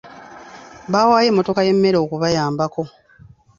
Baawaayo emmotoka y’emmere okubayambako.